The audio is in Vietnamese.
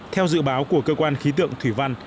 theo dự báo của cơ quan khí tượng thủy văn